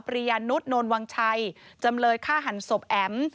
ริยานุษย์โนนวังชัยจำเลยฆ่าหันศพแอ๋ม